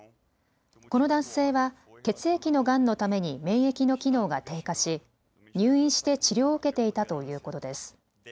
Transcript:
この男性は血液のがんのために免疫の機能が低下し入院して治療を受けていたということです。